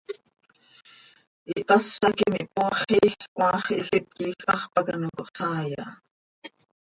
Ihpásaquim ihpooxi, cmaax hilít quij hax pac ano cohsaai aha.